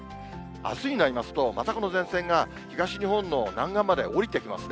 あすになりますと、またこの前線が東日本の南岸まで下りてきますね。